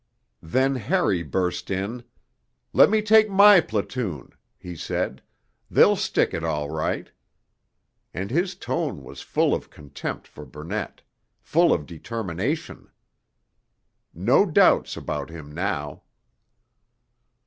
Then Harry burst in: 'Let me take my platoon,' he said, 'they'll stick it all right.' And his tone was full of contempt for Burnett, full of determination. No doubts about him now.